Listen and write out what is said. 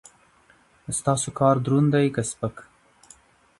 ستاسو کار دروند دی که سپک؟